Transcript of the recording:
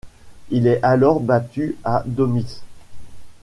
Il est alors battu à Domitz.